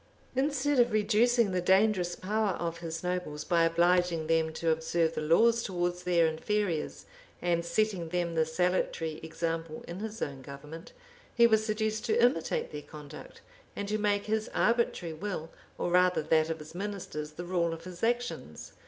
Instead of reducing the dangerous power of his nobles, by obliging them to observe the laws towards their inferiors, and setting them the salutary example in his own government, he was seduced to imitate their conduct, and to make his arbitrary will, or rather that of his ministers, the rule of his actions.